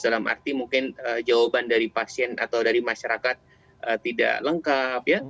dalam arti mungkin jawaban dari pasien atau dari masyarakat tidak lengkap ya